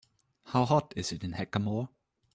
How hot is it in Hackamore